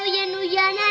putri di sini nek